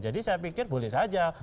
jadi saya pikir boleh saja